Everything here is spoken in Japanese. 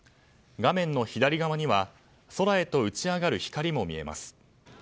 画面の左側には空へと打ち上がる光も見えます。